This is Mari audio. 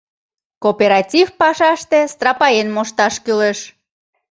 Кооператив пашаште «страпаен» мошташ кӱлеш.